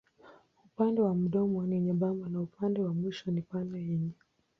Upande wa mdomo ni nyembamba na upande wa mwisho ni pana yenye.